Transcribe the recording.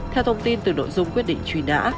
theo thông tin từ nội dung quyết định truy nã